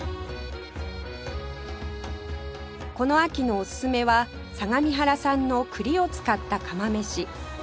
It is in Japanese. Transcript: この秋のおすすめは相模原産の栗を使った釜めし